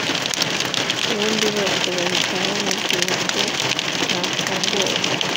ubundi bose bahita bamubwira ngo nafungure